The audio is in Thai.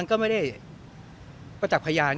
มีใครไปดึงปั๊กหรือว่า